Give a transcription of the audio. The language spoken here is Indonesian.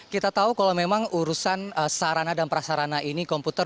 kita tahu kalau memang urusan sarana dan prasarana ini komputer